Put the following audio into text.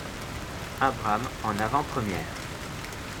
Abrams en avant-première.